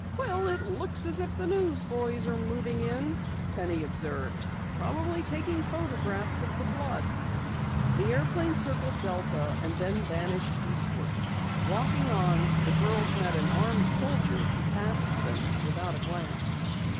"Well, it looks as if the news boys are moving in," Penny observed. "Probably taking photographs of the flood." The airplane circled Delta and then vanished eastward. Walking on, the girls met an armed soldier who passed them without a glance.